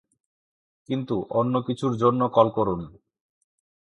কিন্তু "অন্য কিছু"র জন্য কল করুন...